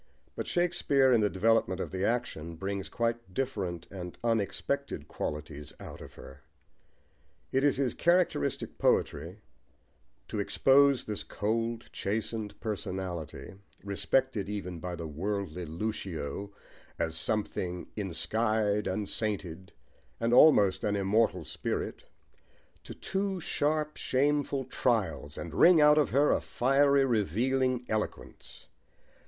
But Shakespeare, in the development of the action, brings quite different and unexpected qualities out of her. It is his characteristic poetry to expose this cold, chastened personality, respected even by the worldly Lucio as "something ensky'd and sainted, and almost an immortal spirit," to two sharp, shameful trials, and wring out of her a fiery, revealing eloquence.